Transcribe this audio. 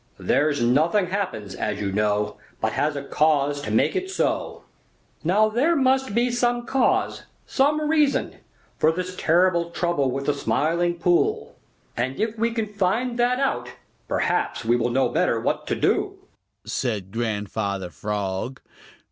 "There's nothing happens, as you know, But has a cause to make it so. "Now there must be some cause, some reason, for this terrible trouble with the Smiling Pool, and if we can find that out, perhaps we shall know better what to do," said Grandfather Frog.